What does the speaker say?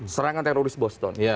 serangan teroris boston